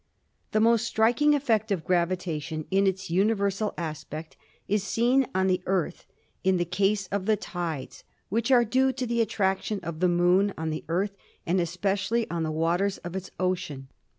The most striking effect of gravitation in its universal aspect is seen on the Earth in the case of the tides, which are due to the attraction of the Moon on the Earth and especially on the waters of its oceans.